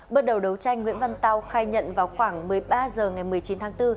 bước đầu đấu tranh nguyễn văn tàu khai nhận vào khoảng một mươi ba h ngày một mươi chín tháng bốn